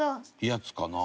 やつかな。